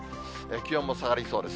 気温も下がりそうです。